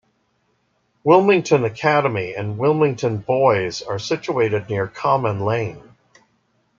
Wilmington Academy and 'Wilmington Boys' are situated near Common Lane.